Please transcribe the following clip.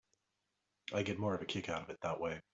I get more of a kick out of it that way.